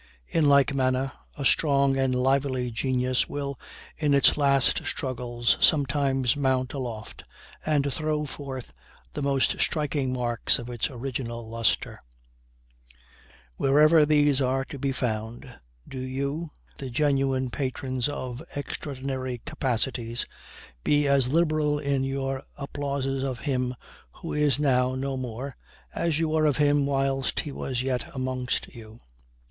In like manner, a strong and lively genius will, in its last struggles, sometimes mount aloft, and throw forth the most striking marks of its original luster. Wherever these are to be found, do you, the genuine patrons of extraordinary capacities, be as liberal in your applauses of him who is now no more as you were of him whilst he was yet amongst you.